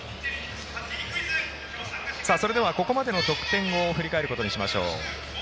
それでは、ここまでの得点振り返ることにいたしましょう。